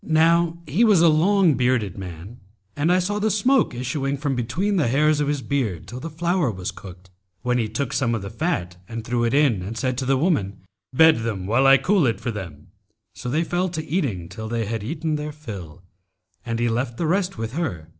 Now he was a long bearded man[FN#278] and I saw the smoke issuing from between the hairs of his beard till the flour was cooked, when he took some of the fat and threw it in and said to the woman, 'Bed them while I cool it for them.' So they fell to eating till they had eaten their fill, and he left the rest with her.